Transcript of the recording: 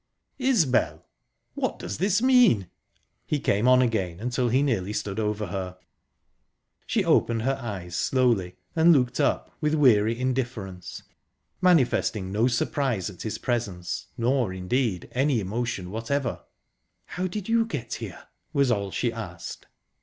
"Isbel! What does this mean?..." He came on again until he nearly stood over her. She opened her eyes slowly and looked up with weary indifference, manifesting no surprise at his presence, nor, indeed, any emotion whatever. "How did you get here?" was all she asked.